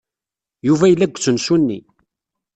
Yuba yella deg usensu-nni.